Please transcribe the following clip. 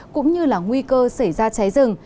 cũng như là nguy cơ xảy ra cháy rừng